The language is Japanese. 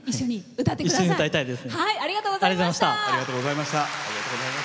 一緒に歌いたいです。